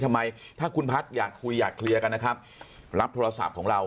ทำไมถ้าคุณพัฒน์อยากคุยอยากเคลียร์กันนะครับรับโทรศัพท์ของเรา